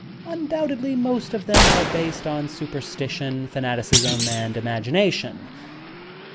Undoubtedly most of them are based on superstition, fanaticism and imagination.